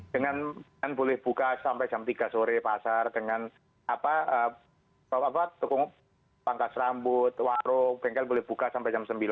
dengan boleh buka sampai jam tiga sore pasar dengan pangkas rambut warung bengkel boleh buka sampai jam sembilan